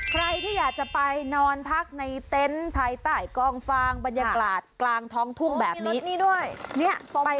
ใครที่อยากจะไปนอนพักในเต็นต์ภายใต้กองฟางบรรยากาศกลางท้องทุ่งแบบนี้ด้วย